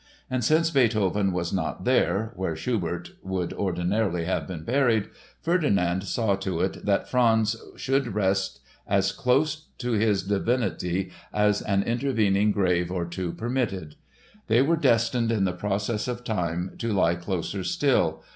And since "Beethoven was not there," where Schubert would ordinarily have been buried, Ferdinand saw to it that Franz should rest as close to his divinity as an intervening grave or two permitted. They were destined in the process of time to lie closer still.